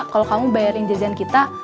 kalau kamu bayarin jajan kita